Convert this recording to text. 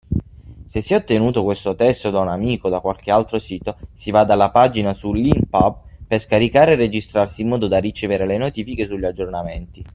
Se si è ottenuto questo testo da un amico o da qualche altro sito, si vada alla pagina su Leanpub per scaricare e registrarsi in modo da ricevere le notifiche sugli aggiornamenti.